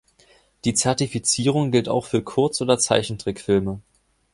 Die Zertifizierung gilt auch für Kurz- oder Zeichentrickfilme.